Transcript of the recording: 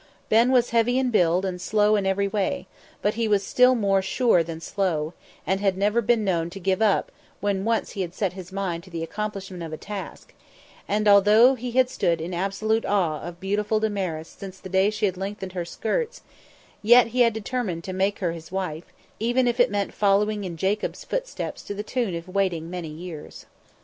Ben was heavy in build and slow in every way, but he was still more sure than slow, and had never been known to give up when once he had set his mind to the accomplishment of a task, and although he had stood in absolute awe of beautiful Damaris since the day she had lengthened her skirts, yet had he determined to make her his wife, even if it meant following in Jacob's footsteps to the tune of waiting many years.